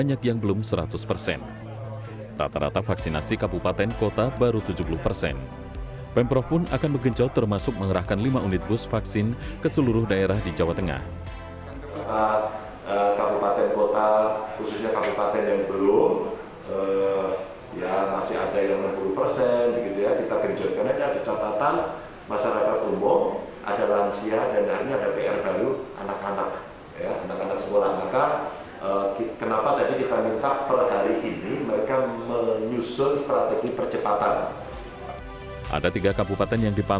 ada tiga kabupaten yang dipantau pemprov jawa tengah yaitu kabupaten berbes